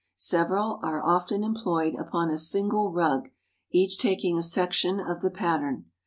Several are often employed upon a single rug, each taking a section of the pattern.